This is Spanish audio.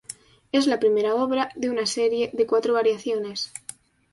Es la primera obra de una serie de cuatro variaciones.